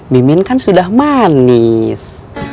mimin kan sudah manis